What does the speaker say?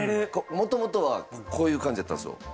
もともとはこういう感じやったんですよ。